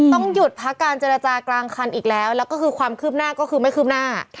ต้องหยุดพักการเจรจากลางคันอีกแล้วแล้วก็คือความคืบหน้าก็คือไม่คืบหน้า